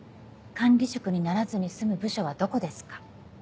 「管理職にならずに済む部署はどこですか？」。